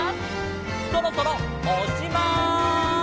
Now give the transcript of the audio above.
そろそろおっしまい！